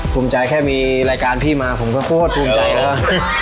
ภูมิใจแค่มีรายการพี่มาผมก็โคตรภูมิใจแล้ว